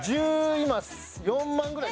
今１４万ぐらい。